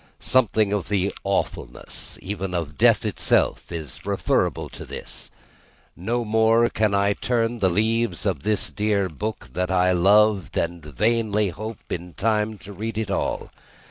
Something of the awfulness, even of Death itself, is referable to this. No more can I turn the leaves of this dear book that I loved, and vainly hope in time to read it all.